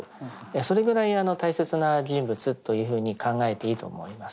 それくらい大切な人物というふうに考えていいと思います。